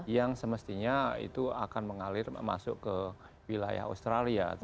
yang semestinya itu akan mengalir masuk ke wilayah australia